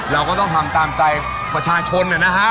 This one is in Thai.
เราก็ต้องทำตามใจประชาชนนะฮะ